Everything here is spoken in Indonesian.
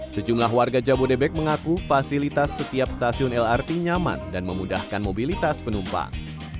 sejumlah warga jabodebek mengaku fasilitas setiap stasiun lrt nyaman dan memudahkan mobilitas penumpang